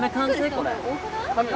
これ。